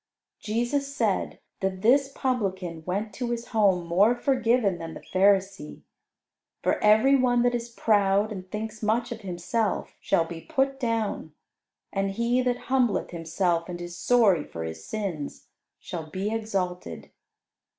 Jesus said that this Publican went to his home more forgiven than the Pharisee, for every one that is proud and thinks much of himself shall be put down, and he that humbleth himself and is sorry for his sins, shall be exalted.